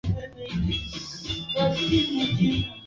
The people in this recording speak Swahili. eandika juu ya ule utafiti wa rail